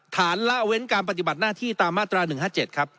ละเว้นการปฏิบัติหน้าที่ตามมาตรา๑๕๗ครับ